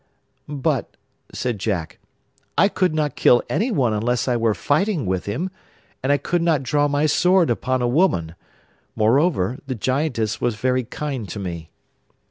'But,' said Jack, 'I could not kill anyone unless I were fighting with him; and I could not draw my sword upon a woman. Moreover, the Giantess was very kind to me.